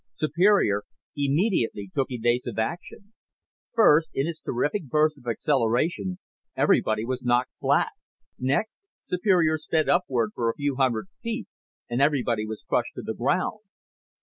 Superior immediately took evasive action. First, in its terrific burst of acceleration, everybody was knocked flat. Next, Superior sped upward for a few hundred feet and everybody was crushed to the ground.